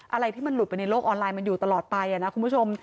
อะไรที่มันหลุดไปในโลกออนไลน์มันอยู่ตลอดไปนะคุณผู้ชม